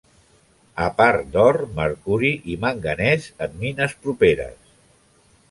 A part d'or, mercuri i manganès en mines properes.